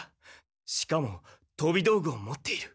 しかもとび道具を持っている。